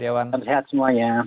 selamat sore selamat sehat semuanya